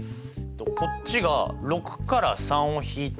こっちが６から３を引いて３人。